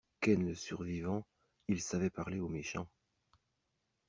Ken le Survivant il savait parler aux méchants.